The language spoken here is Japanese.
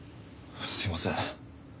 すいません。